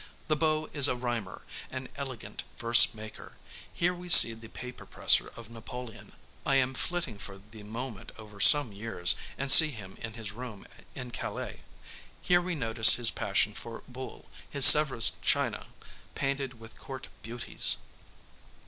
The Beau is a rhymer, an elegant verse maker. Here we see the paper presser of Napoleon I am flitting for the moment over some years, and see him in his room in Calais here we notice his passion for buhl, his Sèvres china painted with Court beauties.